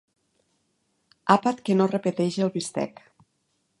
Àpat que no repeteix el bistec.